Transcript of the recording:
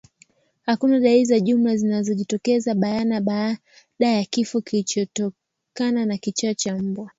Hakuna dalili za jumla zinazojitokeza bayana baada ya kifo kinachotokana na kichaa cha mbwa